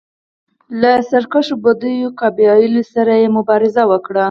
له سرکښو بدوي قبایلو سره یې مبارزه وکړه